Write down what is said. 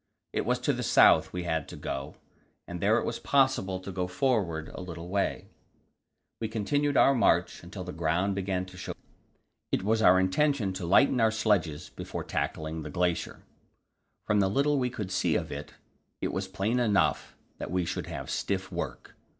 It was to the south we had to go, and there it was possible to go forward a little way. We continued our march until the ground began to show signs of the glacier in the form of small crevasses, and then we halted. It was our intention to lighten our sledges before tackling the glacier; from the little we could see of it, it was plain enough that we should have stiff work.